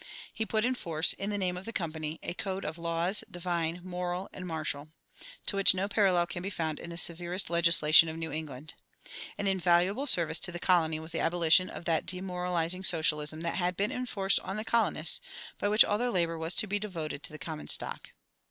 He put in force, in the name of the Company, a code of "Laws, Divine, Moral, and Martial," to which no parallel can be found in the severest legislation of New England. An invaluable service to the colony was the abolition of that demoralizing socialism that had been enforced on the colonists, by which all their labor was to be devoted to the common stock.